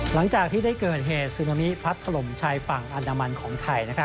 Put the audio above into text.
หลังจากที่ได้เกิดเหตุซึนามิพัดถล่มชายฝั่งอันดามันของไทย